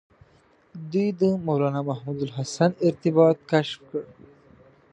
دوی د مولنا محمود الحسن ارتباط کشف کړ.